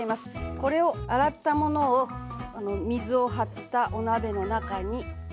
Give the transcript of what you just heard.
これを洗ったものを水を張ったお鍋の中に入れてポン。